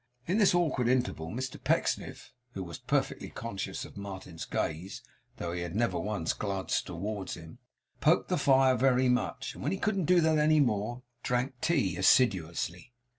In this awkward interval, Mr Pecksniff (who was perfectly conscious of Martin's gaze, though he had never once glanced towards him) poked the fire very much, and when he couldn't do that any more, drank tea assiduously.